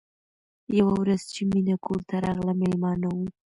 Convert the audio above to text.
یوه ورځ چې مینه کور ته راغله مېلمانه وو